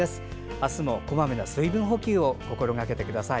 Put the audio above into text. あすも、こまめな水分補給を心がけてください。